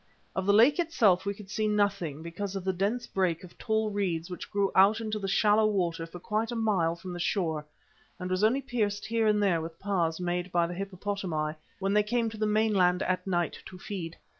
Of the lake itself we could see nothing, because of the dense brake of tall reeds which grew out into the shallow water for quite a mile from the shore and was only pierced here and there with paths made by the hippopotami when they came to the mainland at night to feed.